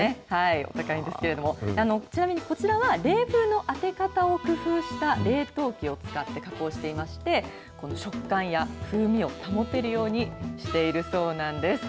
お高いんですけれども、ちなみにこちらは、冷風の当て方を工夫した冷凍機を使って加工していまして、この食感や風味を保てるようにしているそうなんです。